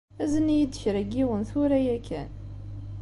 Azen-iyi-d kra n yiwen tura yakan.